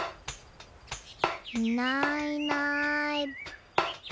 いないいない。